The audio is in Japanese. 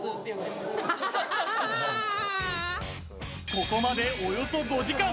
ここまでおよそ５時間。